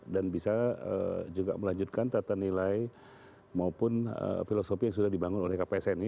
dan bisa juga melanjutkan tata nilai maupun filosofi yang sudah dibangun oleh kpsn ini